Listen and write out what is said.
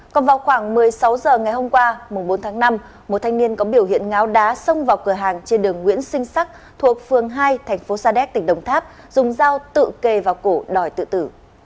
còn vào khoảng một mươi sáu h ngày hôm qua bốn tháng năm một thanh niên có biểu hiện ngáo đá xông vào cửa hàng trên đường nguyễn sinh sắc thuộc phường hai thành phố sa đéc tỉnh đồng tháp dùng dao tự kề vào cổ đòi tự tử